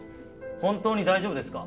本当に大丈夫ですか？